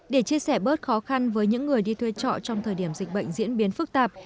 để chia sẻ bớt khó khăn với những người đi thuê trọ trong thời điểm dịch bệnh diễn biến phức tạp